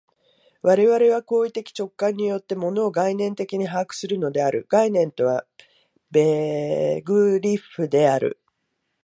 我々は行為的直観によって、物を概念的に把握するのである（概念とはベグリッフである）。